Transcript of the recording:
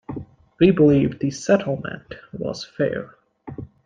We believe the settlement was fair.